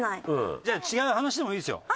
じゃあ違う話でもいいですよ。